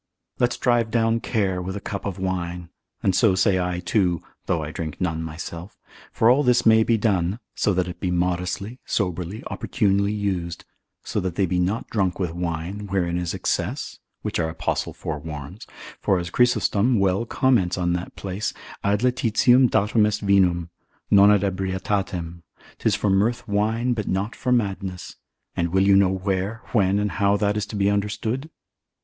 Let's drive down care with a cup of wine: and so say I too, (though I drink none myself) for all this may be done, so that it be modestly, soberly, opportunely used: so that they be not drunk with wine, wherein is excess, which our Apostle forewarns; for as Chrysostom well comments on that place, ad laetitiam datum est vinum, non ad ebrietatem, 'tis for mirth wine, but not for madness: and will you know where, when, and how that is to be understood?